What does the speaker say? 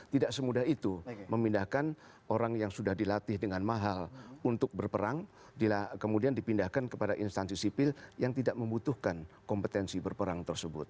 tidak semudah itu memindahkan orang yang sudah dilatih dengan mahal untuk berperang kemudian dipindahkan kepada instansi sipil yang tidak membutuhkan kompetensi berperang tersebut